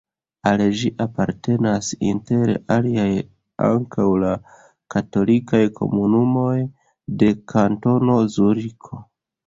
Al ĝi apartenas inter aliaj ankaŭ la katolikaj komunumoj de Kantono Zuriko.